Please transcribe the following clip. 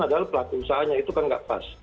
adalah pelaku usahanya itu kan tidak pas